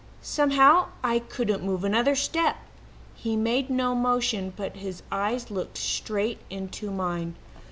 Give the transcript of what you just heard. Somehow I couldn't move another step. He made no motion, but his eyes looked straight into mine.